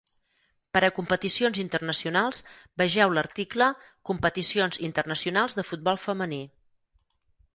Per a competicions internacionals, vegeu l'article "Competicions internacionals de futbol femení".